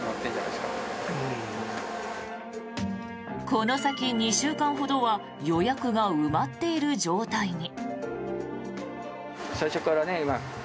この先２週間ほどは予約が埋まっている状態に。